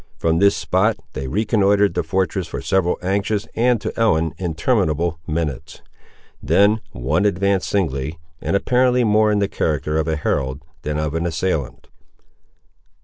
From this spot they reconnoitred the fortress for several anxious, and to Ellen, interminable minutes. Then one advanced singly, and apparently more in the character of a herald than of an assailant.